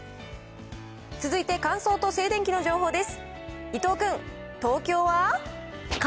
続いて乾燥と静電気の情報です。